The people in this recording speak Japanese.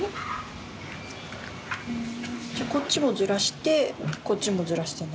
こっちをずらしてこっちもずらして。